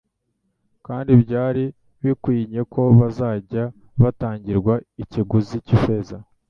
kandi byari bikwinye ko bazajya batangirwa ikiguzi cy'ifeza.